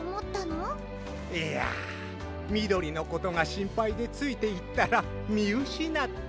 いやみどりのことがしんぱいでついていったらみうしなって。